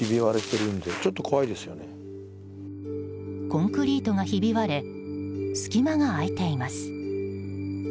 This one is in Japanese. コンクリートがひび割れ隙間があいています。